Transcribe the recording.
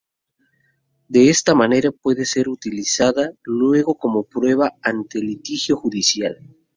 De esta manera, puede ser utilizada luego como prueba ante un litigio judicial.